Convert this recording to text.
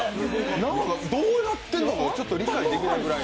縄がどうなってるのかちょっと理解できないくらい